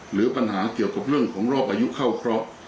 หรือปัญหาเกี่ยวกับเรื่องของรอบอายุเข้าเคราะห์